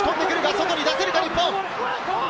外に出せるか日本。